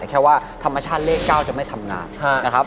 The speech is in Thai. แค่ว่าธรรมชาติเลข๙จะไม่ทำงานนะครับ